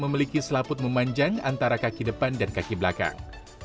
memiliki selaput memanjang antara kaki depan dan kaki belakang